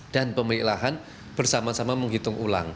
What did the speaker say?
dan pemilik lahan bersama sama menghitung ulang